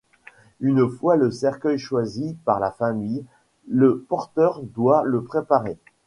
Une fois le cercueil choisi par la famille, le porteur doit le préparer.